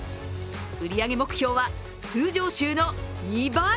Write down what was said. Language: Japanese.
売り上げ目標は通常週の２倍。